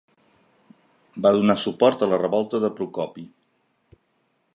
Va donar suport a la revolta de Procopi.